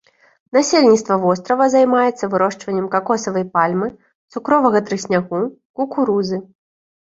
Насельніцтва вострава займаецца вырошчваннем какосавай пальмы, цукровага трыснягу, кукурузы.